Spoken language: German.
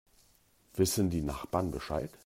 Wissen die Nachbarn Bescheid?